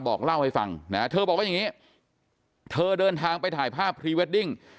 บอกเล่าให้ฟังนะเธอบอกว่าอย่างนี้เธอเดินทางไปถ่ายภาพพรีเวดดิ้ง